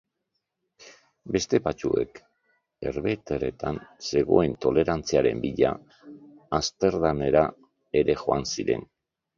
Beste batzuk, Herbehereetan zegoen tolerantziaren bila Amsterdamera ere joan ziren.